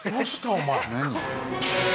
お前。